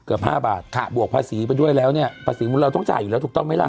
เกือบ๕บาทบวกภาษีไปด้วยแล้วเนี่ยภาษีมุนเราต้องจ่ายอยู่แล้วถูกต้องไหมล่ะ